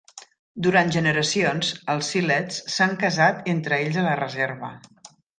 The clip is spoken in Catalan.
Durant generacions, els siletz s'han casat entre ells a la reserva.